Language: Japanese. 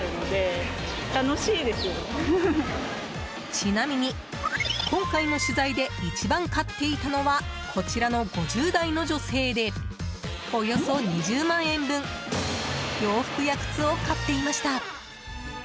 ちなみに今回の取材で一番買っていたのはこちらの５０代の女性でおよそ２０万円分洋服や靴を買っていました。